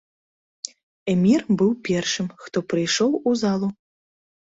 Эмір быў першым, хто прыйшоў у залу.